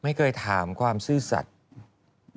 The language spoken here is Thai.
ไม่เคยถามความซื่อสัตว์